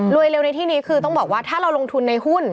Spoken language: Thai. เร็วในที่นี้คือต้องบอกว่าถ้าเราลงทุนในหุ้น